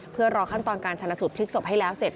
เพื่อรอขั้นตอนการชนะสูตรพลิกศพให้แล้วเสร็จ